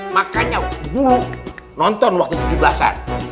makanya dulu nonton waktu tujuh belas an